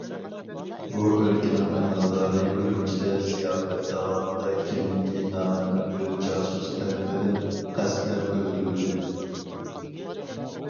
بۇ ئۆلكىنىڭ ئەمەلدارى ئۈرۈمچىدە زىياپەت داۋامىدا كىملىكى نامەلۇم بىر جاسۇس تەرىپىدىن قەستلەپ ئۆلتۈرۈلدى.